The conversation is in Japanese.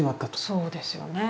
そうですよね。